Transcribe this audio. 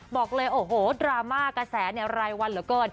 บอกเลยโอ้โหดราม่ากระแสเนี่ยไร้วันเลยเปส